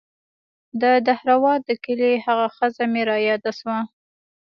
د دهروات د کلي هغه ښځه مې راياده سوه.